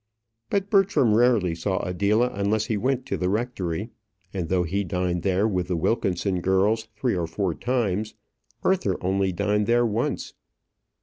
But Bertram rarely saw Adela unless he went to the rectory, and though he dined there with the Wilkinson girls three or four times, Arthur only dined there once.